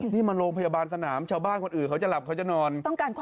นี่มาโรงพยาบาลสนามชาวบ้านคนอื่นเขาจะหลับเขาจะนอน